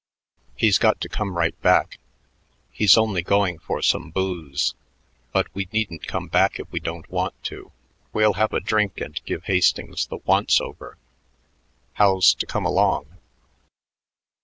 He's got to come right back he's only going for some booze but we needn't come back if we don't want to. We'll have a drink and give Hastings the once over. How's to come along?"